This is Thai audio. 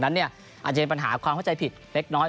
อาจจะเป็นปัญหาความเข้าใจผิดเล็กน้อย